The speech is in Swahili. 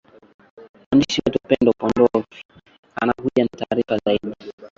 mwandishi wetu pendo pondovi anakuja na taarifa zaidi